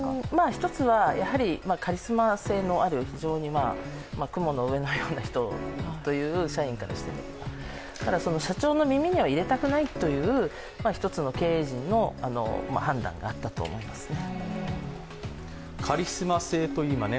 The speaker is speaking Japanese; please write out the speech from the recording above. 一つはカリスマ性のある非常に雲の上のような人という、社員からしたら。社長の耳には入れたくないという１つの経営陣の判断があったと思いますね。